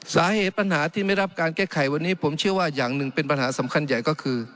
สาเหตุปัญหาที่ไม่รับการแก้ไขวันนี้ผมเชื่อว่าอย่างหนึ่งเป็นปัญหาสำคัญใหญ่ก็คือ